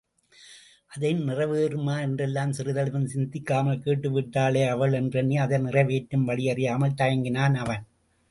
அது நிறைவேறுமா என்றெல்லாம் சிறிதளவும் சிந்திக்காமல் கேட்டு விட்டாளே அவள் என்றெண்ணி அதை நிறைவேற்றும் வழியறியாமல் தயங்கினான் அவன்.